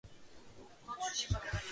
მრავალი მისი პიესა დაკარგულია.